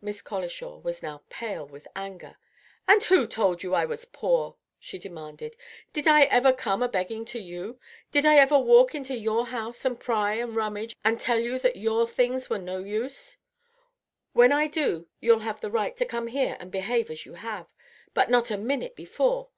Miss Colishaw was now pale with anger. "And who told you I was poor?" she demanded. "Did I ever come a begging to you? Did I ever walk into your house to pry and rummage, and tell you that your things were no use? When I do you'll have a right to come here and behave as you have, but not a minute before.